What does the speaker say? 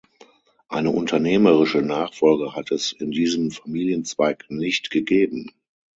Eine unternehmerische Nachfolge hat es in diesem Familienzweig nicht gegeben.